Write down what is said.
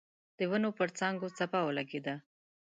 د ونو پر څانګو څپه ولګېده.